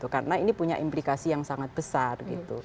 karena ini punya implikasi yang sangat besar